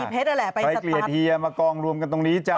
ไปเกลียดเฮียมากองรวมกันตรงนี้จ้ะ